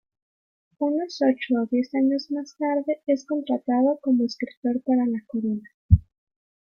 Unos ocho o diez años más tarde es contratado como escritor para la corona.